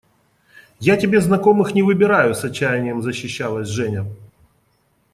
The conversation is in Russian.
– Я тебе знакомых не выбираю, – с отчаянием защищалась Женя.